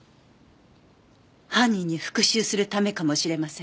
犯人に復讐するためかもしれません。